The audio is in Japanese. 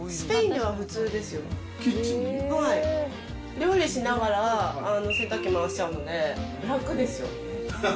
料理しながら、洗濯機回しちゃうので、楽ですよ。